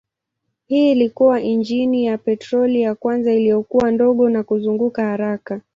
Hii ilikuwa injini ya petroli ya kwanza iliyokuwa ndogo na kuzunguka haraka.